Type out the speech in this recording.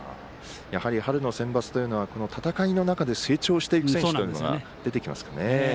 やはり春のセンバツというのは戦いの中で成長してく選手が出てきますね。